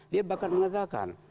dia bahkan mengatakan